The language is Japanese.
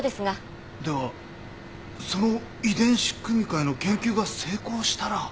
ではその遺伝子組み換えの研究が成功したら。